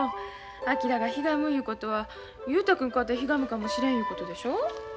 昭がひがむいうことは雄太君かてひがむかもしれんいうことでしょ。